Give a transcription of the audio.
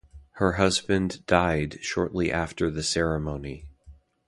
Her husband died shortly after the ceremony.